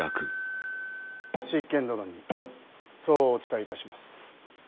執権殿にそうお伝えいたします。